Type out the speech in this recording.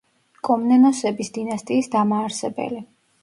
კომნენოსების დინასტიის დამაარსებელი.